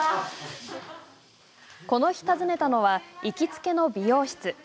この日、訪ねたのは行きつけの美容室。